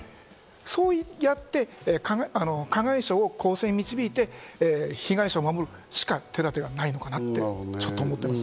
そうやって、加害者を更生に導いて被害者を守るしか手だてがないのかなってちょっと思ってます。